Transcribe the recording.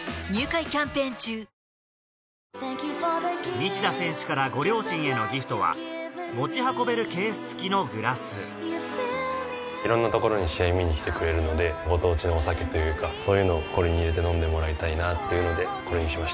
西田選手からご両親へのギフトは持ち運べるケース付きのグラスいろんな所に試合見に来てくれるのでご当地のお酒というかそういうのをこれに入れて飲んでもらいたいなっていうのでこれにしました。